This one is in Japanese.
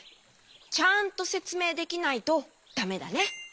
ちゃんとせつめいできないとだめだね。